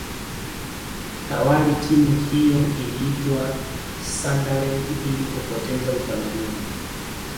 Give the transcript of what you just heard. awali timu hiyo iliitwa sunderland ili kupoteza utamaduni